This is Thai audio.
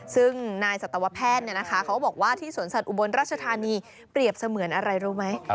ซึ่งนายสัตวแพทย์เขาก็บอกว่าที่สวนสัตว์อุบลราชธานีเปรียบเสมือนอะไรรู้ไหม